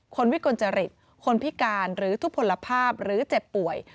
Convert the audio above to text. วิกลจริตคนพิการหรือทุกผลภาพหรือเจ็บป่วย